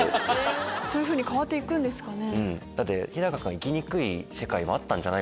そういうふうに変わっていくんですかね。